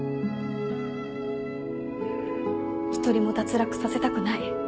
１人も脱落させたくない。